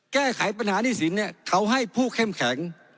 แก้ไขปัญหานี่สินเนี่ยเขาให้ผู้เข้มแข็ง